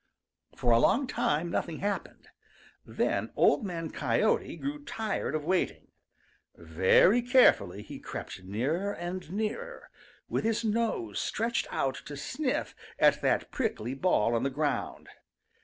For a long time nothing happened. Then Old Man Coyote grew tired of waiting. Very carefully he crept nearer and nearer, with his nose stretched out to sniff at that prickly ball on the ground.